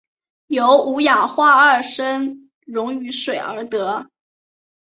由五氧化二砷溶于水而得。